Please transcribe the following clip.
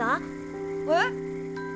えっ？